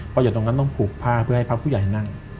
เพราะอยู่ตรงนั้นต้องผูกผ้าเพื่อให้พระผู้ใหญ่นั่ง